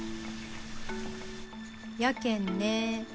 やけんね。